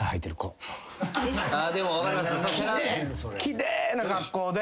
でも分かります。